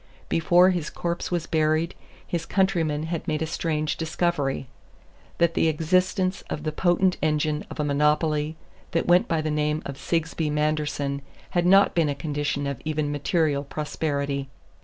Before his corpse was buried his countrymen had made a strange discovery: that the existence of the potent engine of monopoly that went by the name of Sigsbee Manderson had not been a condition of even material prosperity.